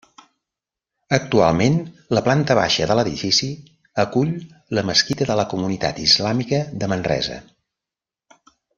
Actualment la planta baixa de l'edifici acull la mesquita de la comunitat islàmica de Manresa.